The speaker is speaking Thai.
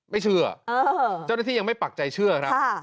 ไม่เชื่อเจ้าหน้าที่ยังไม่ปักใจเชื่อครับ